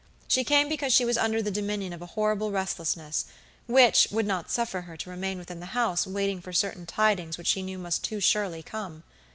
She came because she was under the dominion of a horrible restlessness, which, would not suffer her to remain within the house waiting for certain tidings which she knew must too surely come.